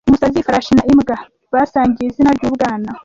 Umusazi Ifarashi na imbwa basangiye izina ryubwana